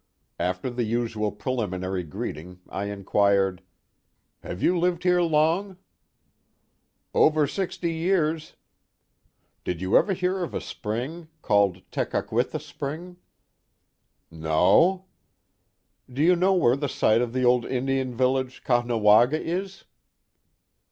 After the usual preliminary greeting I inquired : Have you lived here long ?'Over sixty years." Did you ever hear of a spring called Tekakwitha spring ?" No." Do you know where the site of the old Indian vil lage, Caughnawaga, is